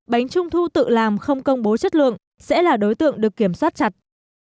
bánh trung thu tự làm không công bố chất lượng sẽ là đối tượng được kiểm soát chặt